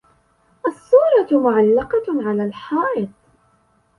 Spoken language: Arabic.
الصورة معلقة على الحائط.